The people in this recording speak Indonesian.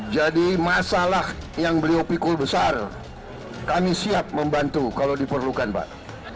jadi masalah yang beliau pikul besar kami siap membantu kalau diperlukan pak